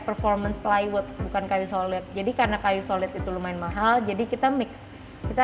performance plywood bukan kayu solid jadi karena kayu solid itu lumayan mahal jadi kita mix kita